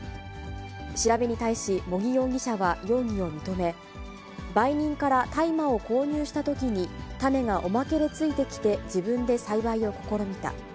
調べに対し茂木容疑者は容疑を認め、売人から大麻を購入したときに、種がおまけでついてきて、自分で栽培を試みた。